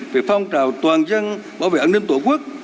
về phong trào toàn dân bảo vệ an ninh tổ quốc